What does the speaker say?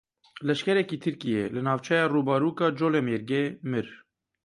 Leşkerekî Tirkiyê li navçeya Rûbarûk a Colemêrgê mir.